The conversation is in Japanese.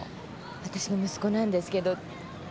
わたしの息子なんですけど。